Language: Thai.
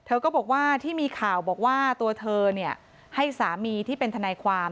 ก็บอกว่าที่มีข่าวบอกว่าตัวเธอให้สามีที่เป็นทนายความ